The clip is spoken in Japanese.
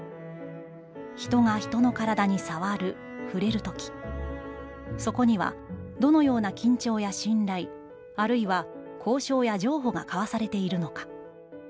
人が人の体にさわる／ふれる時、そこにはどのような緊張や信頼、あるいは交渉や譲歩がかわされているのか。